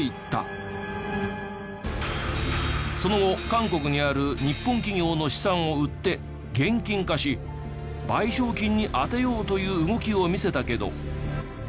その後韓国にある日本企業の資産を売って現金化し賠償金に充てようという動きを見せたけど。